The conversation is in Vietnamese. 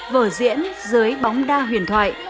vở diễn dưới bóng đau hiền thoại